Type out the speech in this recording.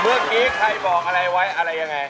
เมื่อกี้ใครบอกอะไรไว้อะไรยังไง